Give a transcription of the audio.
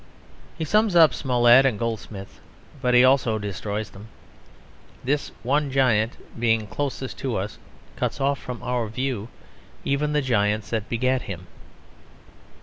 He sums up Smollett and Goldsmith, but he also destroys them. This one giant, being closest to us, cuts off from our view even the giants that begat him.